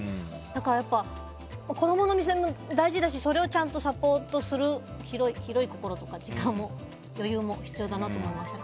子供の目線も大事だしそれをちゃんとサポートする広い心とか余裕も必要だなと思いました。